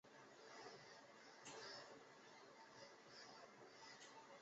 在德国足球丙级联赛成立之前它位于联赛体系的第四级。